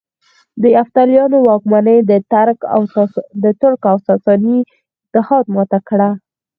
د یفتلیانو واکمني د ترک او ساساني اتحاد ماته کړه